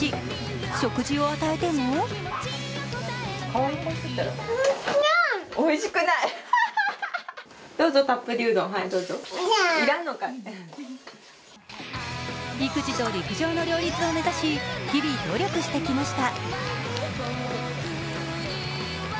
食事を与えても育児と陸上の両立を目指し日々、努力してきました。